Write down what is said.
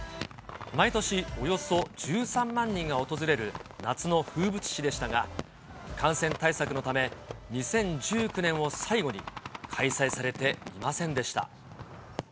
毎年、およそ１３万人が訪れる夏の風物詩でしたが、感染対策のため、２０１９年を最後に、開催されていませんでした。